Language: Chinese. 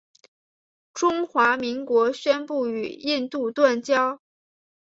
中华民国宣布与印度断交。